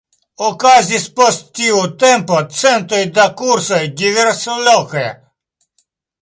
Okazis post tiu tempo centoj da kursoj diversloke.